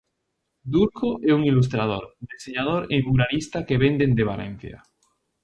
Dulco é un ilustrador, deseñador e muralista que vén dende Valencia.